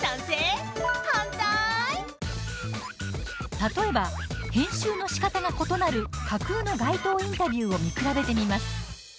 例えば、編集のしかたが異なる架空の街頭インタビューを見比べてみます。